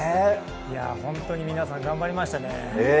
皆さん、頑張りましたね。